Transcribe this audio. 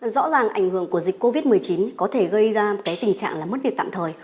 rõ ràng ảnh hưởng của dịch covid một mươi chín có thể gây ra cái tình trạng là mất việc tạm thời